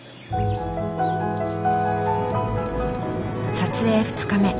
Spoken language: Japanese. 撮影２日目。